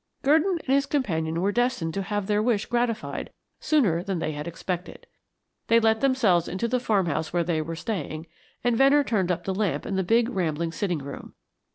Gurdon and his companion were destined to have their wish gratified sooner than they had expected. They let themselves into the farmhouse where they were staying, and Venner turned up the lamp in the big rambling sitting room.